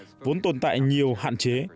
mang tên prevent vốn tồn tại nhiều hạn chế